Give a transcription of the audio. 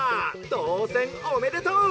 とうせんおめでとう！